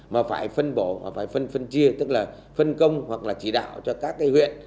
mà phải phân bổ phải phân chia tức là phân công hoặc chỉ đạo cho các huyện